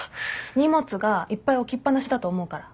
荷物がいっぱい置きっぱなしだと思うから。